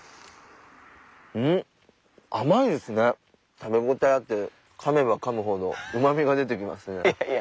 食べ応えあってかめばかむほどうまみが出てきますね。